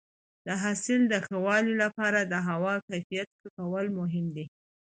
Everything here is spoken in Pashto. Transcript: د حاصل د ښه والي لپاره د هوا کیفیت ښه کول مهم دي.